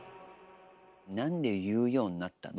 なんで言うようになったの？